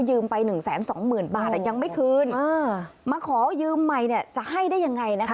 ยืมไป๑๒๐๐๐๐บาทยังไม่คืนมาขอยืมใหม่จะให้ได้ยังไงนะคะ